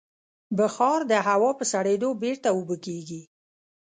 بخار د هوا په سړېدو بېرته اوبه کېږي.